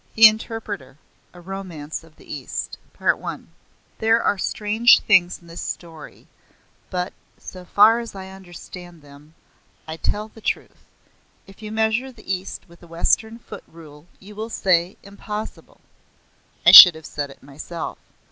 THE INTERPRETER A ROMANCE OF THE EAST I There are strange things in this story, but, so far as I understand them, I tell the truth. If you measure the East with a Western foot rule you will say, "Impossible." I should have said it myself.